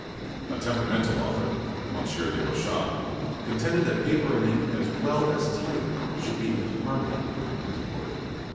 A temperamental author, Monsieur de Rochaa, contended that paper and ink as well as type should be in har mony with the printed word.